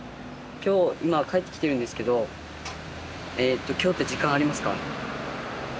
今日今帰ってきてるんですけど今日って時間ありますか？